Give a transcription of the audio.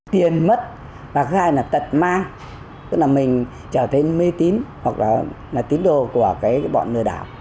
tiền mất và thứ hai là tật mang tức là mình trở nên mê tín hoặc là tín đồ của cái bọn lừa đảo